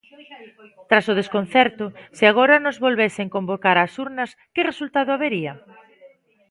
Tras o desconcerto, se agora nos volvesen convocar ás urnas, que resultado habería?